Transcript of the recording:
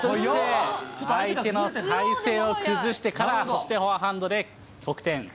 相手の体勢を崩してから、そしてフォアハンドで得点。